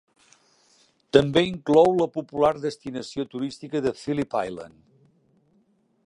També inclou la popular destinació turística de Phillip Island.